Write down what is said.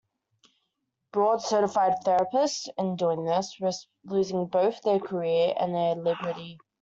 Board-certified therapists, in doing this, risked losing both their career and their liberty.